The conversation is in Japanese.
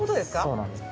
そうなんです。